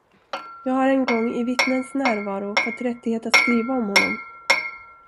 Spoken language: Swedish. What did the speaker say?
Jag har en gång i vittnens närvaro fått rättighet att skriva om honom.